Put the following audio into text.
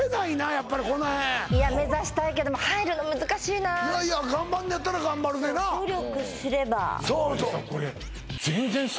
やっぱりこのへんいや目指したいけども入るの難しいないやいや頑張るんやったら頑張るでな努力すればそうそうやっぱりさ